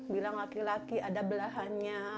bilang laki laki ada belahannya